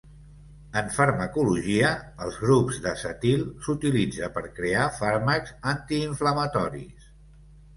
En farmacologia, els grups d'acetil, s'utilitza per crear fàrmacs antiinflamatoris.